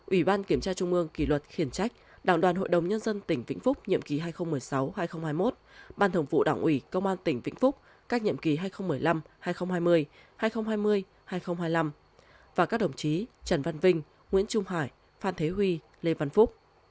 ủy ban kiểm tra trung ương kỷ luật khiển trách đảng đoàn hội đồng nhân dân tỉnh vĩnh phúc nhiệm ký hai nghìn một mươi sáu hai nghìn hai mươi một ban thường vụ đảng ủy công an tỉnh vĩnh phúc các nhiệm kỳ hai nghìn một mươi năm hai nghìn hai mươi hai nghìn hai mươi hai nghìn hai mươi năm và các đồng chí trần văn vinh nguyễn trung hải phan thế huy lê văn phúc